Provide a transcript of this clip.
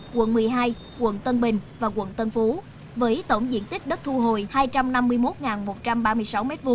quận một mươi hai quận tân bình và quận tân phú với tổng diện tích đất thu hồi hai trăm năm mươi một một trăm ba mươi sáu m hai